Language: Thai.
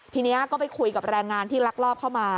ทีนี้ก็ไปคุยกับแรงงานที่ลักลอบเข้ามา